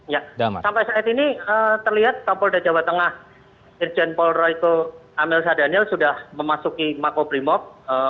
ya sampai saat ini terlihat kampung dajawa tengah irjen polroiko amil sadanil sudah memasuki makobrimop